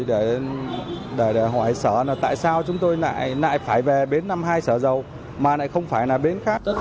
để hỏi sở là tại sao chúng tôi lại phải về bến năm hai sở dầu mà lại không phải là bến khác nữa